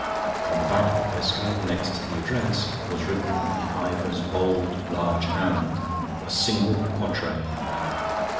On the back of the postcard, next to the address, was written, in Ivor's bold, large hand, a single quatrain.